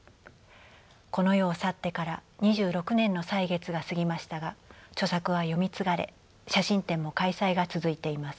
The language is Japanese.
この世を去ってから２６年の歳月が過ぎましたが著作は読み継がれ写真展も開催が続いています。